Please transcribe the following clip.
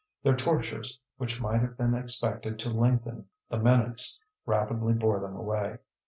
Their tortures, which might have been expected to lengthen the minutes, rapidly bore them away.